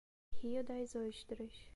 Rio Das Ostras